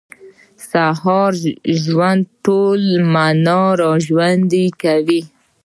سهار د ژوند ټوله معنا راژوندۍ کوي.